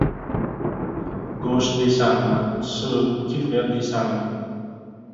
Go‘sht deysanmi, sut, kefir deysanmi...